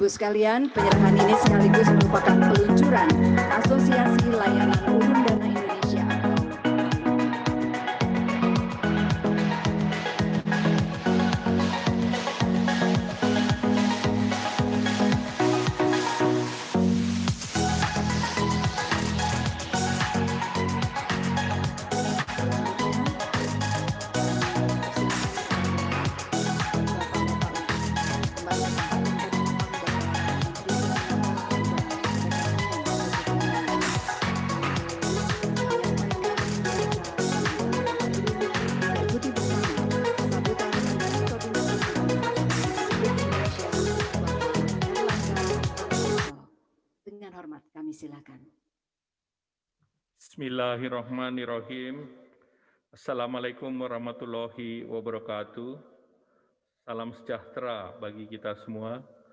salam sejahtera bagi kita semua